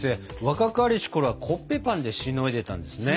若かりしころはコッペパンでしのいでたんですね。